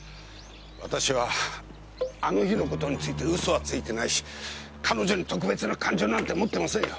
私はあの日の事について嘘はついてないし彼女に特別な感情なんて持ってませんよ。